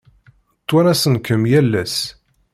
Ttwanasen-kem yal ass.